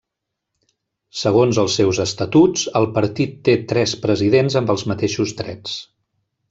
Segons els seus estatuts, el partit té tres presidents amb els mateixos drets.